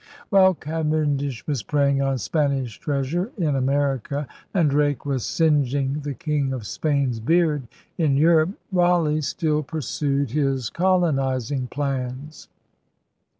' While Cavendish was preying on Spanish treas ure in America, and Drake was * singeing the King of Spain's beard' in Europe, Raleigh still pursued his colonizing plans.